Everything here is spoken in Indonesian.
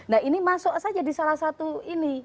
nah ini masuk saja di salah satu ini